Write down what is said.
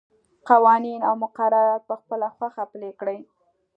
قوانین او مقررات په خپله خوښه پلي کړي.